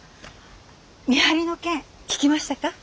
見張りの件聞きましたか？